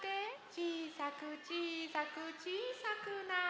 ちいさくちいさくちいさくなれ。